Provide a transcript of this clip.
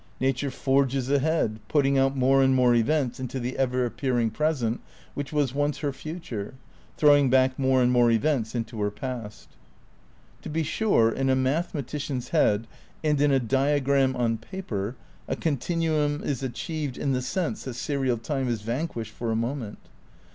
Nature forges ahead, putting out more and more events into the ever appearing present which was once her future, throwing back more and more events into her past. To be sure, in a mathematician's head and in a dia gram on paper, a continuum is achieved in the sense that serial time is vanquished for a moment.